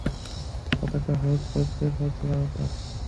কথাটা হলফ করে বলতে পারবো।